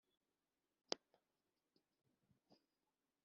Umuryango utari uwa leta bifite ubuzima gatozi